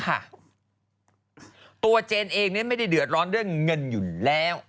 เจนเองไม่ได้เดือดร้อนเรื่องเงินอยู่แล้ว